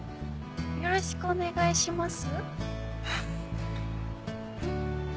よろしくお願いします？